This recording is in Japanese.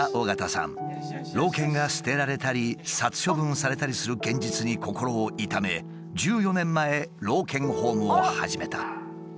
老犬が捨てられたり殺処分されたりする現実に心を痛め１４年前老犬ホームを始めた。